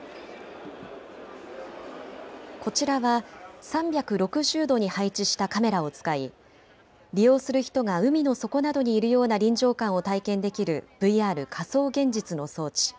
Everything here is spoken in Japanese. こちらは３６０度に配置したカメラを使い利用する人が海の底などにいるような臨場感を体験できるＶＲ・仮想現実の装置。